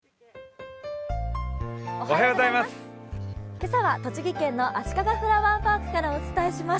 今朝は栃木県のあしかがフラワーパークからお伝えします。